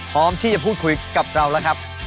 พร้อมที่จะพูดคุยกับเราแล้วครับ